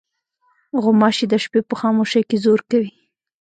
غوماشې د شپې په خاموشۍ کې زور کوي.